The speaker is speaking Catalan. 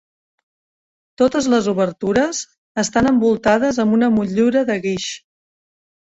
Totes les obertures estan envoltades amb una motllura de guix.